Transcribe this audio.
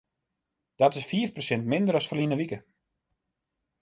Dat is fiif persint minder as ferline wike.